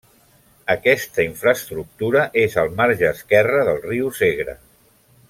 Aquesta infraestructura és al marge esquerre del riu Segre.